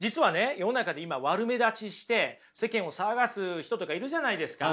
世の中で今悪目立ちして世間を騒がす人とかいるじゃないですか。